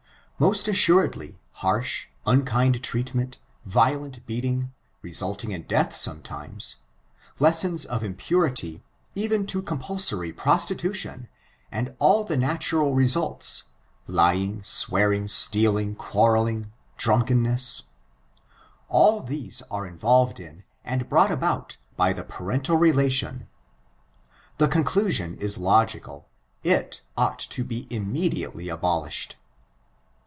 Most assuredly, harsh, unkind treatment, violent beating, resulting in death sometimes — ^lessons of impurity, even to compulsory prostitution; and all the natural results — ^ly^gy swearing, stealing, quarrelling, drunkenness — all these are involved in, and brought about by the parental *^t^t^t^t0*0 %#«^^^^^^h^^^^^^ ' I ON ABOUTXOKISM. 665 relation: the conclusion is logical, it ought to be immedi ate abolished.